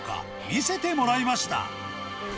見せてもらいました。